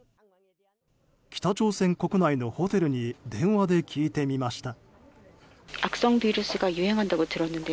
北朝鮮国内のホテルに電話で聞いてみました。